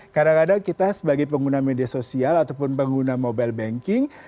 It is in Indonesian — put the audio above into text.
kadang kadang kita sebagai pengguna media sosial ataupun pengguna mobile banking